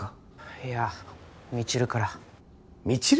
いや未知留から未知留？